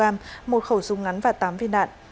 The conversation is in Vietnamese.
một khẩu súng ngắn và tám viên đạn